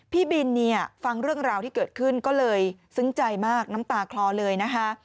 พี่บินเนี่ยฟังเรื่องราวที่เกิดขึ้นก็เลยซึ้งใจมากน้ำตาคลอเลยนะคะ